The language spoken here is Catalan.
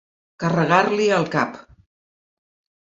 Carregar-li el cap.